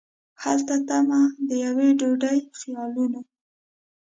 هلته تمه د یوې ډوډۍ خیالونه